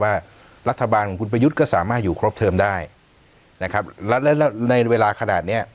ว่ารัฐบาลของคุณประยุทธ์ก็สามารถอยู่ครบเทิมได้นะครับแล้วแล้วในเวลาขนาดเนี้ย